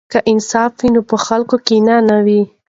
که انصاف وي نو په خلکو کې کینه نه وي.